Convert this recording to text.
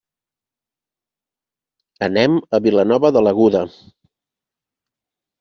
Anem a Vilanova de l'Aguda.